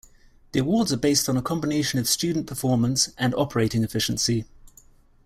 The awards are based on a combination of student performance and operating efficiency.